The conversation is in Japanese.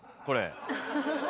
これ。